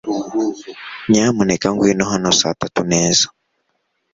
Nyamuneka ngwino hano saa tatu neza.